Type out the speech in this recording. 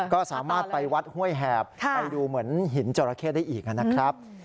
ก็สามารถไปวัดห้วยแหบไปดูเหมือนหินจราเข้ได้อีกนะครับ